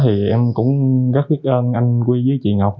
thì em cũng rất biết ơn anh vui với chị ngọc